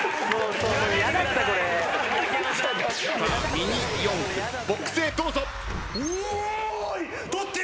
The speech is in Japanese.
ミニ四駆ボックスへどうぞ。